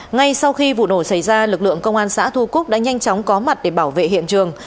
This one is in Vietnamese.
ngay sau khi vụ nổ xảy ra lực lượng công an xã thu cúc đã nhanh chóng có mặt để bảo vệ hiện trường